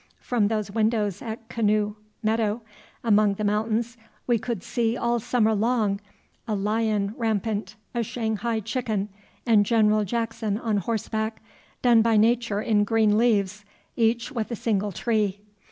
From those windows at Canoe Meadow, among the mountains, we could see all summer long a lion rampant, a Shanghai chicken, and General Jackson on horseback, done by Nature in green leaves, each with a single tree.